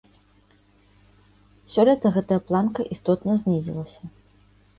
Сёлета гэтая планка істотна знізілася.